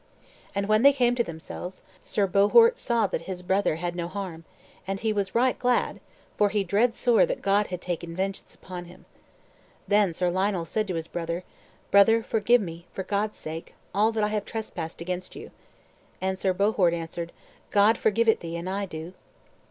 And when they came to themselves, Sir Bohort saw that his brother had no harm; and he was right glad, for he dread sore that God had taken vengeance upon him. Then Sir Lionel said to his brother, "Brother, forgive me, for God's sake, all that I have trespassed against you." And Sir Bohort answered, "God forgive it thee, and I do."